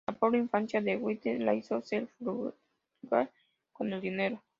La pobre infancia de White la hizo ser frugal con el dinero.